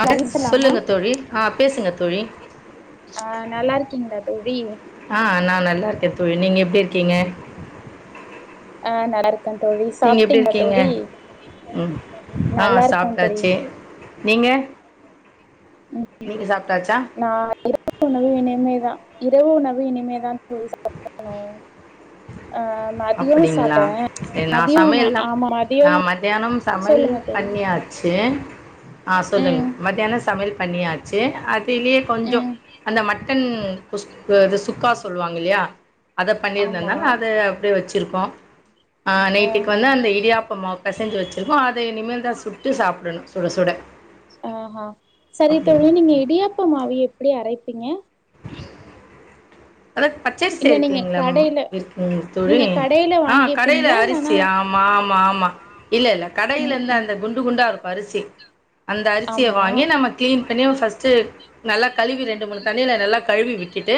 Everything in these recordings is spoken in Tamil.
ஆ பெட் சொல்லுங்க தோழி ஆஹ பேசுங்க தோழி அஹ நல்லா இருக்கீங்களா தோழி நா நல்லா இருக்க தோழி நீங்க எப்டி இருக்கீங்க ஆஹ் ந நீங்க எப்படி இருக்கீங்க ம் ஆஹ் நல்லா இருக்கே தோழி சாப்புட்டாச்சு நீங்க நீங்க உம் சாப்ட்டாச்சா நா உணவு இனையமேதா இரவு நவு இனிமேதான் போய் சாப்பிடணு அப்படிங்களா சாப்ட்டே சரி நா மதியோ சமையல்ல்ல ஆமா மதியோ நா மத்தியானம் சமையல் சொல்லுங்க தோழி பண்ணியாச்சு சூ ஆஹ் சொல்லுங்க ம் மத்தியான சமையல் பண்ணியா ச அ அதலையே கொஞ்சோ ம் அந்த மட்டன் ஸ இது சுக்கா சொல்லுவாங்க இல்லையா அத ஆமா பண்ணியிருந்தேந்தாலா அது வச்சிருக்கோ ஆஹ் நைட்டுக்கு ஆஹா வந்துந்த இடியாப்பம்மா பசஞ்சு வச்சிருக்கோ இனிமேல் தா சுட்டு சாப்பிடணு சுட சுட ஆஹ ஆஹ சரி தோழி அப்படிங்க நீங்க இடியாப்ப மாவிய எப்படி அரைப்பீங்க அத பச்சரிசி இல்ல நீங்க இருக்குதுங்களா கடைல இருக்குதுங்க தோழி நீங்க கடைல ஆ கடையில் வாங்கிப்பீங்களா இல்லனா அரிசி ஆமா ஆமா ஆமா இல்ல இல்ல ம் கடிலருந்து ம் அந்த குண்டு குண்ட இருக்கு பருசி அந்த அரிசிய ஆமா வாங்கி நம்ம கிளீன் பண்ணி ஃபர்ஸ்ட்ட் நலக் கழுவி ரண்டு மூணுண்ணில நல்ல கழுவிட்டு விட்டுட்டு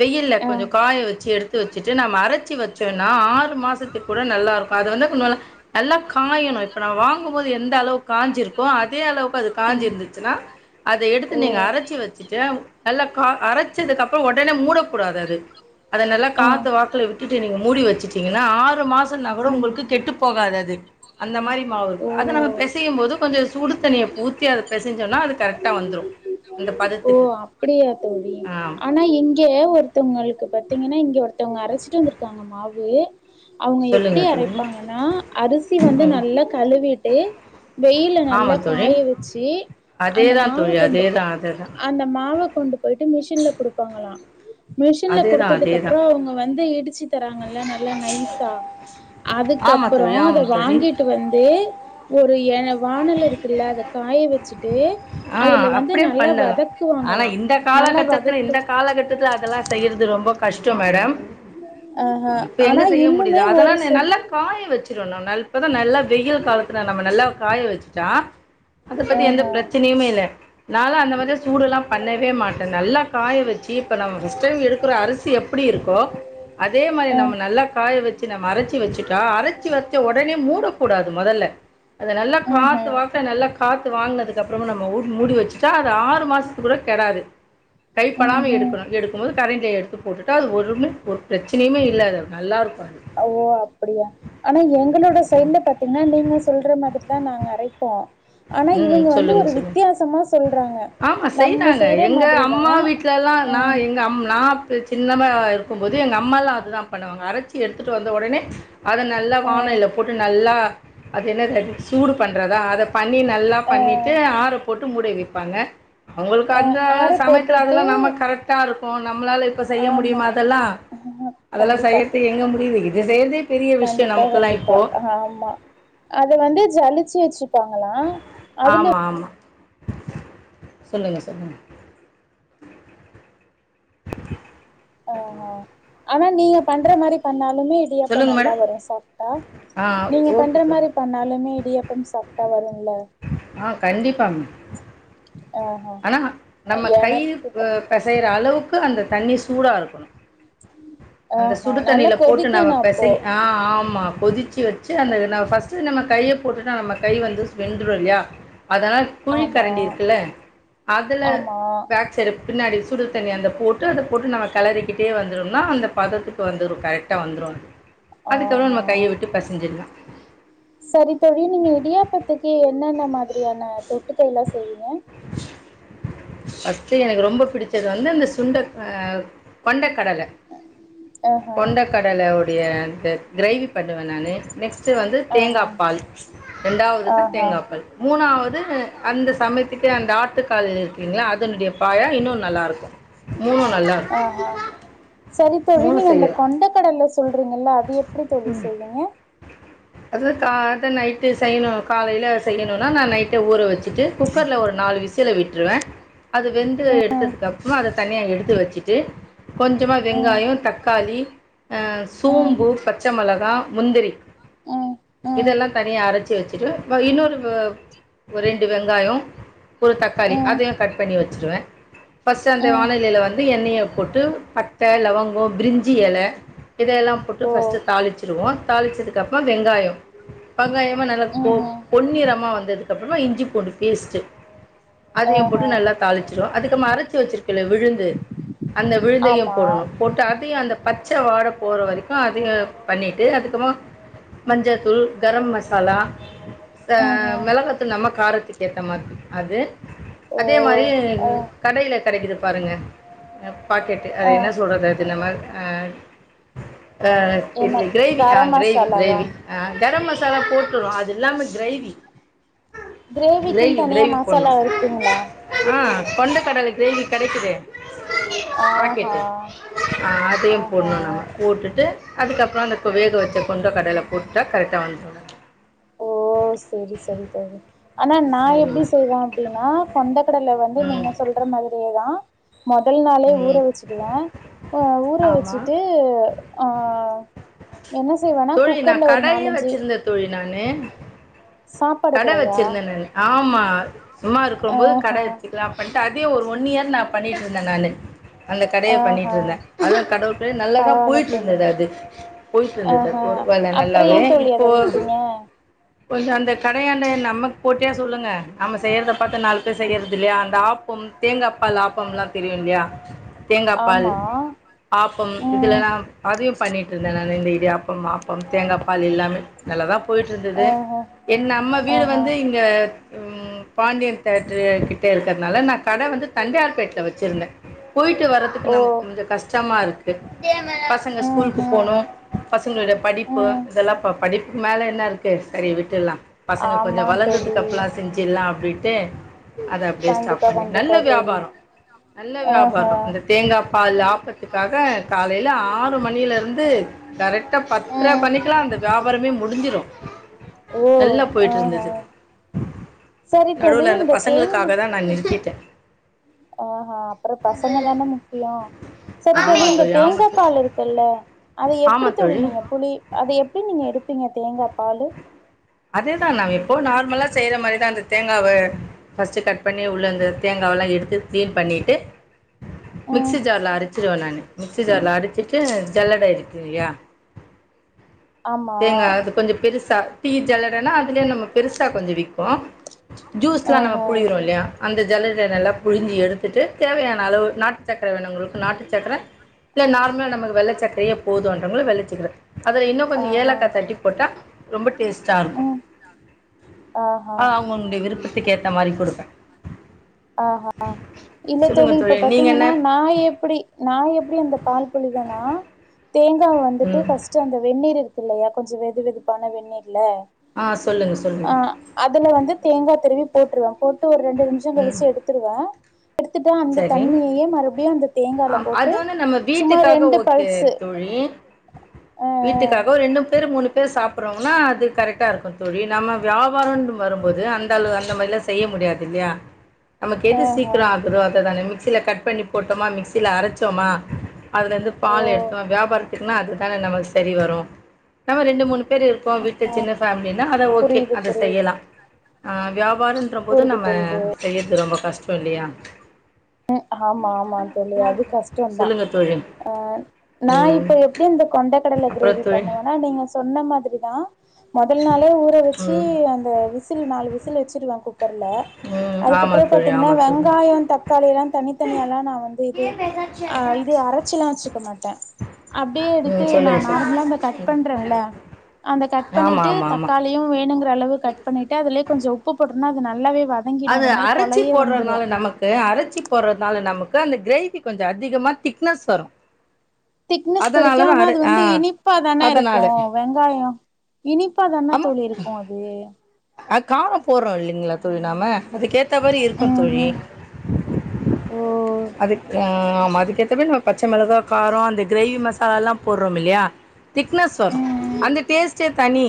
வெயில ஆ கொஞ்சோ காய வச்சு எடுத்து வச்ச ந அரைச்சி வச்சோம்னா ஆறு மாசத்து கூட நல்லா இருது வ நல்லா காயணு இப்ப ந வாங்குபோது எந்த அளவுக்கு காயஞ்சிருக்கோ அதே அளவுக்கு அது காஞ்சி இருந்துச்சுன்னா அத எடுத்து ஓ நீங்க அரச்சி வச்சுட்டு நல்லா க அரச்சதுக்கப்புறோ உடனே கூடாதது அத நல்லா ஆ காத்து வாக்கல விட்டுட்டு நீங்க மூடி வச்சுட்டீங்கன்னா ஆறு மாசோ நகரு உங்களுக்கு கெட்டு போகாது அது அந்த மாரி மாவு ஓ இருக்கு அத நம்ம பிசையு போது கொஞ்ச சுடு தண்ணியை ஊத்தி அத பிசைஞ்சோன்னா அது கரெக்டா வந்துரு அந்த பத ஓ அப்படியா தோழி ஆனா இங்க ஒரு த்தவங்களுக்கு பாத்தீங்கன்னா இங்க ஒருத்தவங்க அரைச்சிட்டு வந்திருக்காங்க மாவு அவங்க சொல்லுங்க எப்படி தோழி அரைப்பாங்கன்னா அரிசி வந்து ம் நல்லா கழுவிட்டு வெயில ஆமா நல்லா தோழி காய வச்சு அந்த அதேதா மாவு தோழி கொண்டு அதேதா அதேதா மாவ கொண்டு போயிட்டு மிஷின்ல குடுப்பாங்களா மிஷின்ல அதேதா குடுத்ததுக்கு அதேதா அப்புறோ அவங்க வந்து இடிச்சு தராங்கல்ல நல்ல நைஸா ஆமா அதுக்கப்பறோ தோழி அத ஆமாம் தோழி வாங்கிட்டு வந்து [unintelligible] வானல்ல இருக்குல்ல அதக் காய வச்சுட் டு ஆ அதுல வந்து அப்படியே நல்லா பண்ணலாம் வதக் ஆனா இந்த காலகட்டத்துல இந்த காலகட்டத்துல அதெல்லா செய்யறது ரொம்ப கஷ்டம் மேடம் ஆஹ இப்ப எங்க ஆனா செய்ய முடியுது இன்னுமே ஒரு அதனான சில நல்லா காய வச்சிருணு ந அப்பதா நல்லா வெயில் காலத்துல நம்ம நல்லா காய வச்சுட்டா அத பத்தி ஆஹ எந்த பிரச் ல்ல நால அந்த மாரி சூடு எல்லா பண்ணவே மாட்டே நல்லா காய வச்சு இப்ப நம் ஃப்ஸ்ட் டைம் எடுக்கிற அரிசி எப்படி இருக்கோ அதே மாரி ஆ நம்ம நல்லா காய வச்சு நம்ம அரச்சி வச்சுட்டா அரைச்சி வச்ச உடனே மூடக்கூடாது முதல்ல அத நல்லா காத்து ம்ஹூம் வாக்க நல்லாக் காத்து வாங்கினது அதுக்கப்புறமா நம்ம உட் மூடி வச்சுட்டா அது ஆறு மாசத்துக்கூட கெடாது கைப்படாம ம்ஹூம் எடுக்கணு எடுக்கும் போது கரண்டில எடுத் து போட்டுட்டா அது ஒருமே ஒரு பிரச்சனையுமே இல்ல அத நல்லா இருக் ஓ அப்படியா ஆனா எங்களோட சைட்ல பாத்தீங்கன்னா நீங்க சொல்ற மாதிரிதா நாங்க அரைப்போ ஆனா ம் இவங்க வந்து ஒரு சொல்லுங்கள் சொல்லுங்கள் வித்தியாசமா சொல்றாங்க ஆமா நம்ம செய்றாங்க. செய்யற எங்க மாதிரிதா அம்மா ஆஹ் சின்னதா இருக்கும் போது எங்க அம்மாலா அதுதா பண்ணுவாங்க அரைச்சி எடுத்துட்டு வந்த உடனே அத நல்லா வானலில் போட்டு நல்லா அது என்னது சூடு பண்றதா அதப் பண்ணி நல்லா பண்ணிட்டு ஆற போட்டு ட்டு மூடி வைப்பாங்க அவங்களுக்கு அ அந்த ஆற சமயத்துல போட்டுட்டு அதெல்லாம் நமக்கு கரெக்டா இருக் நம்மளால இப்ப செய்ய ஆமா முடியுமா அதல்லாம் அதல்லாம் கண்டிப்பா செய்யறதுக்கு எங்க முடிது இது செய்றதே கண்டிப்பா கண்டிப்பா ஆமா அது வந்து ஜலித் சு வச் பாங்களாம் அதுல ஆமா, ஆமா. சொல்லுங்க சொல்லுங்க ஆஹ ஆனா நீங்க பண்ற மாரி பண்ணா ணாலுமே இடியாப்பம் சொல்லுங்க நல்லா மேடம். வரும் சாஃப்ட்டா ஆ நீங்க பண்ற ஓகே. சார். மாரி பண்ணாலுமே இடியாப்பம் சாஃப்ட்டா வரும்ல ஆஹ் கண்டிப்பாமா ஆனா நம்ம கை எனக்கு பு பெசையற அளவுக் க்கு அந்த தண்ணி சூடா இருக்கணும் அந்த ஆஹா நல்லா சுடுதண்ணில போட்டு நம கொதிக்கணு அப்போ பெசை ஆஹ் ஆமா கொதிச்சு வச்சு அந்த நம்ம ஃபர்ஸ்ட் நம்ம கைய போட்டுட்டா நம்ம கை வந்து வெந்துடு இல்லையா அதனால குழி ஆமா கரண்டி இருக்குல்ல அதுல ஆமா பேக்சைடு பின்னாடி சுடு தண்ணி அந்த போட்டு [unintelligible] போட்டு நம்ம கலறிக்கிட்டே வந்துரும்னா அந்த பதத்துக்கு வந்துரு கரெக்டா வந்துறும் அதுக்கப்புறம் ஆஹா நம்ம கைய விட்டு பெசசிட்லாம் சரி தோழி நீங்க இடியாப்பத்துக்கு என்னென்ன மாதிரியான தொட்டுகைலா செய்வீங்க ஃபஸ்ட் எனக்கு ரொம்ப புடிச்சது வந்து அந்த சுண்ட கொண்டக் கடல ஆஹா கொண்ட கடல உடைய அந்த கிரேவி பண்ணுவேன் நானு நெக்ஸ்ட் நெக்ஸ்ட் வந்து தேங்கா ஆஹா பால் ரெண்டாவது தான் ஆஹா தேங்காய் பால் மூணாவது அந்த சம க்கு அந்த ஆட்டுக் கால் இருக்குங்ளயா அதனுடைய பாயா இன்னும் நல்லாருக்கும் மூணும் நல்லாருக்கும் மூணும் இந்த செய்யலாம் கொண்ட கடல சொல்றீங்கல்ல அது எப்டி தோழி செய்வீங்க அது தா நைட்டு செய்யணும் காலேல செய்யணுனா நா நைட்டே ஊற வச்சு ட்டு குக்கர்ல ஒரு நாலு விசில் சில விட்ருவே அது வெந்து எடுத்ததுக்கு அப்ற அத தனியா எடுத்து வச்சுட்டு கொஞ்சமா ம் வெங்காயோ தக்காளி ஆ ம் சூம்பு பச்ச மெளகா முந்திரி ம் ம் இதெல்லா தனியா அரைச் சு வச்சிட்டு ப இன்னொரு ஆ ஒரு ரெண்டு வெங்காயோ ஒரு தக்காளி ம் அதையு கட் பண்ணி வச்சிருவே ஃபஸ்ட் அந்த ம் வாணலில வந்து எண்ணெய போட்டு பட்ட லவங்க பிரிஞ்சி இல இதையெல்லா போட்டு ஓ ஃபஸ்ட்டு தாளிச்சுடுவோ தாளிச்சதுக்க அப்றோ வெங்காயோ வெங்காயமு நல்லா பொ ம்ஹும் பொன்னிறமாக வந்ததுக்கப்றமா இஞ்சி பூண்டு பேஸ்ட்டு அதையு போட்டு ஆஹா நல்லா தாளிச்சுருவோ அதுக்கு அரை ச்சுருக்க [unintelligible] விழுது அந்த விழுதையு ஆமா போடணு போட்டு ட்டு அதையு அந்த பச்ச வாட போற வரைக்கு அது பண்ணிட்டு அதுக்கப்பமா மஞ்சத் தூள் கரம் மசாலா ஆ ம்ஹும் மெளகா தூள் நம்ம காரத்துக்கு ஏத்த மாரி அது ஓ அதே மாரி ஆ கடைல கெடைக்குது பாருங்க பாக்கெட்டு அத ஆ என்ன சொல்றது ஆ ஆ என்ன இல்ல கிரேவி ஆ கரம் கிரேவி மசாலாவா கிரேவி ஆ கரம் மசாலா போட்டுறோ அது இல்லாம கிரேவி கிரேவிக்குன் கிரேவி தனியா கிரேவி மசாலா இருக்குங்ளா கொண்டக்கடல கிரேவி கெடைக்குதே ஆ ஹான் ஆ அதையு போடணு நம்ம போட்டுட்டு அதுக்கப்ற அந்த தோ வேகவச்ச கொண்ட கடல போட்டு கரெக்டா வந்துரு ஓ செரி செரி தோழி ஆனா நா எப்டி சரிம்மா செய்வே அப்டின்னா கொண்ட கடல வந்து நீங்க ம் சொல்ற மாதிரியேதா மொதல் நாளே ஊற ம் வச்சுடுவே ஆ ஊற ஆமாம் வச்சுட்டு ஆ என்ன செய்வேன்னா தோழி நா குக்கர்ல ஒரு கடையே நாலஞ்சு வச்சிருந்த தோழி நானு சாப்பாடு கடை கெடையா வச்சிருந்தேன் ஆமா சும்மா இருக்கும் போது கடை ஆஹா வச்சுக்கலாம் அப் அதே ஒரு ஒன் இயர் நான் பண்ணிட்டு இருந்தேன் நானு அந்த கடையை பண்ணிட்டு ஆஹா இருந்தேன் அது கடவுள் நல்லாதான் பரவால்ல போயிட்டு தோழி இருந்தது அது போயிட்டு இருந்தது ஆஹா ஒரு வேலை அப்றோ ஏ நல்லாவே தோழி இப்போ அத விட்டீங்க கொஞ்சம் அந்த கடையாண்டு நமக்கு போட்டியாக சொல்லுங்க நம்ம செய்றத பாத்து நாலு பேரு செய்றது இல்லயா அந்த ஆப் ஆப்பம் தேங்காய்ப்பால் ஆப்பம் எல்லா தெரியும் இல்லயா தேங்காய்பால் ஆமா ஆப்பம் ம் இதெல்லாம் அதையும் பண்ணிட்டு இருந்தேன் நான் இந்த இடியாப்பம் ஆப்பம் தேங்காய் பால் எல்லாமே நல்ல தான் போய்ட்டு இருந்தது ஆஹா என்ன நம்ம வீடு ஆஹா வந்து இங்க உம் பாண்டியன் தேட்டர் கிட்ட இருக்கிறதுனால நான் கடை வந்து தண்டையார்பேட்டல வச்சிருந்தேன் போயி்ட்டு ஓ வறதுக்கு நமக்கு கொஞ்சம் கஷ்டமாக இருக்குது பசங்க ம் ஸ்கூலுக்கு ம் போனும் பசங்களுடைய படிப்பு ம் இதெல்லாம் பாக்கணும் மேல என்ன இருக்கு சரி விட்டுல்லாம் பசங்க ஆமா கொஞ்சம் தோழி வளர்ந்ததுக்கு அப்பல்லாம் செஞ்சு நான் அப்டின்டு அத அப்டியே ஸ்டாப் கண்டிப்பா பண்ணி கண்டிப்பா நல்ல தோழி வியாபாரம் நல்ல ஆஹ வியாபாரம் அந்த தேங்காய் பால் ஆப்பத்துக்காக காலையில ஆ ரு மணியில இருந்து கரெக்டா பத்திர ம் பணிக்கெலாம் அந்த வியாபாரமே முடிஞ்சிரும் ஓ நல்லா போய்ட்டு ஆஹ இருந்தது சரி தோழி நடுவுல இந்த பசங்களுக்காக தான் நான் நிறுத்திட்டே ஆஹ்ஹ அப்புறம் பசங்க தானே முக்கியம் சரி தோழி ஆமா இந்த ஆமா தேங்காய் தோழி பால் இருக்குல்ல அதை எப்படி தோழி நீங்க புளி அதை எப்படி நீங்க எடு இருப்பீங்க தேங்காய் பால் அதேதான் நான் எப்போ நார்மலா செய்யற மாதிரிதான் அந்த தேங்காவை பர்ஸ்ட் கட் பண்ணி உள்ள இந்த தேங்காவ எல்லாம் எடுத்து கிளீன் பண்ணிட்டு ம் மிக்சி ஜார்ல அடிச்சிடுவேன் நான் மிக்சி ஜார்ல அடிச்சிட்டு ஜல்லட இருக்கு இல்லியா ஆமா தேங்கா அது கொஞ்சம் பெருசு டீ ஜல்லடனா அதுலயே நம்ம பெருசா கொஞ்சம் விக்கும் ஜூஸ் எல்லாம் ஆஹ நம்ம புளியோரோம் இல்லையா அந்த ஜல்லட எல்லாம் புழிஞ்சி எடுத்துட்டு தேவையான அளவு நாட்டு சக்கர வேணும்ங்களுக்கு நாட்டு சக்கர நார்மலான நமக்கு வெள்ளச்சக்கரய போதும் வெள்ளச்சக்கிற அதல கொஞ்சம் ஆஹ ஏலாக்காய் தட்டி போட்டா ரொம்ப டேஸ்ட்டாக இருக்கும் ம் ஆஹ ஆ அது அவுங்களுடைய விருப்பத்துக்கு ஏற்ற மாதிரி கொடுப்பேன் ஆஹா இல்ல சொல்லுங்க தோழி இப்ப நீங்க என்ன பாத்தீங்கன்னா நா எப்டி நா எப்டி அந்த பால் புழிவேனா தேங்கா வந்துட்டு ம் ஃபஸ்ட் அந்த வெந்நீர் இருக் இல்லயா கொஞ்சம் வெது வெதுப்பான வெந்நீர் ல ஆ சொல்லுங்க ஆ சொல்லுங்க அதுல வந்து தேங்கா திருவி போட்ருவ போட் ட்டு ஒரு ரெண்டு நிமிஷ ம் கழிச்சு வ எடுத்துட்டா அந்த சரி தண்ணியயே மறுபடியு அந்த தேங்கால ஆ அது போட்டு வந்து நம்ம சும்மா வீட்டுக்காக ரெண்டு ஓகே பல்ஸ் தோழி ஆ ஆ ல சாப்புட்றோனா அது கரெக்ட்டா இருக்கு தோழி நம்ம வியாவாரன்ற வரும்போது அந்த அள அந்த மாரிலா செய்ய முடியாது இல்லயா நமக்கு ஆ எது சீக்கிர ஆகு தானே மிக்சியில கட் பண்ணி போட்டோமா மிக்சியில அரச்சோமா அதுலேருந்து ஓ பால் எடுத்தோ வியாாரத்துக்குன்னா அது அது நம்மளுக்கு செரி வரு நம்ம ரெண்டு மூணு பேரு இருக் இப்போ விட்டு சின்ன ஃபேமிலினா அத ஓகே புரியுது அத புரியுது செய்யலா ஆ வியாப் வ்வாருன்ற போது புரியுது நம்ம புரியுது செய்யறது ரொம்ப கஷ்டோ சொல்லியா ம் ஆமா ஆமா சொல்லு அது கஷ்ட தா சொல்லுங்கள் தோழி ஆ நா ம் இப்ப எப்டி இந்த கொண்ட கடல அப்புறம் கிரேவி தோழி பண்ணுவேன்னா நீங்க சொன்ன மாதிரி தா மொதல் நாளே ஊற வச்சி ம் அந்த விசில் நாலு விசில் வச்சிறலா குக்கர்ல ம் ஆமா அதுக்கப்பற தோழி பாத்தீங்கன்னா ஆமா தோழி வெங்காயம் த அப்டியெல்லா தனித்தனியா ல்லா நா வந்து இது ஆ இது அரைச்சுயெல்லா வச்சு மாட்டே அப்டியே எடுத்து ம் நா சொல்லுங்க தோழி நார்மலா இந்த கட் பண்றேன்ல அந்த கட் ஆமா பண்ணிட்டு ஆமா ஆமா தக்காளியு வேணுங் ஓரளவு கட் பண்ணிட்டு அதுலியே கொஞ்சோ உப்பு போட்டுறனா அது நல்லாவே வதங்கிடு அது அந்த மாரி அரச்சி கொழைய வந்துரு போட்றதுனால நமக்கு அரச்சி போட்றதுனால நமக்கு அந்த கிரேவி கொஞ்சோ அதிகமா திக்னஸ் வரு திக்னஸ் கெடைக்கு அதனாலதா ஆனா அர அது ஆ வந்து இனிப்பாதானே இருக்கு அதனால வெங்காய இனிப்பா தான தோழி இருக்கு அது ஆ காரம் போட்றோயில்லிங்களா தோழி நாம அதுக்கேத் தமாரி இருக்கு ம் தோழி ம் ஓ அதுக்குதா ஆ ஆமா அதுக்கேத்த மாரி நம்ம பச்சை மிளகா காரோ அந்த கிரேவி மசாலா எல்லா போடுறோ இல்லையா திக்னஸ் வரு ம் ம் அந்த டேஸ்ட்டே தனி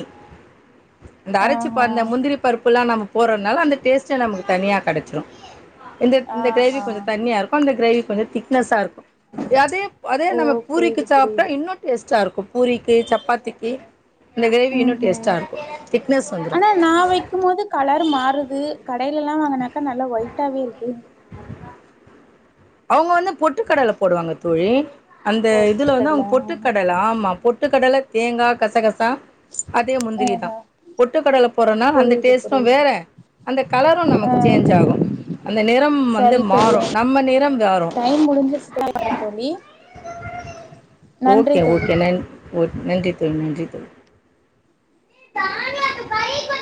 அந்த அரச்சு ஆஹா பன்ன முந்திரி பருப்பு புல்லா நம்ம போடறனால அந்த டேஸ்டே நமக்கு தனியா கெடச்சிரு இந்த இந்த கிரேவி ஆஹா கொஞ்சோ தண்ணியா இருக்கு அந்த கிரேவி கொஞ்சோ திக்னஸ்ஸா இருக்கு அது எ அதே ஓ நம்ம பூரிக்கு புரியுது சாப்டா புரியுது இன்னு டேஸ்ட்டா இருக்கு பூரிக்கு சப்பாத்திக்கு இந்த கிரேவி ம் இன்னும் ஹும் டேஸ்ட்டாக இருக்கும் திக்னஸ் வந்துடும் ஆனா நா வெக்கும்போது கலர் மாறுது கடையில எல்லா வாங்குனாக்கா நல்லா ஒயிட்டாவே இருக்கு அவுங்க வந்து பொட்டுக்கடல போடுவாங்க தோழி அந்த இதுல வந்து பொட்டுக்கடல அவுங்க பொட்டுக்கடல ஆமா பொட்டு பொட்டுக் கடல தேங்கா கசக தா அதே முந்திரிதா பொட்டுக் கடல போடுறுனால அந்த புரியுது டேஸ்டும் புரியுது வேற அந்த கலரும் நமக்கு சேஞ்சாகு அந்த நிறம் வந்து சரி தோழி மாறு நம்ம நிறம் மாறும் டைம் முடிஞ்சு [inaudible] தோழி நன்றி ஓகே தோழி நன் ஓகே நன்றி தோழி நன்றி தோழி